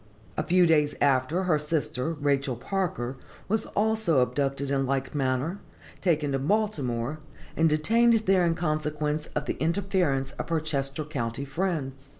A few days after, her sister, Rachel Parker, was also abducted in like manner, taken to Baltimore, and detained there in consequence of the interference of her Chester county friends.